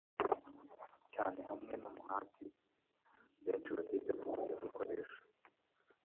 cyane hamwe numuhati benshi batiteguye gukoresha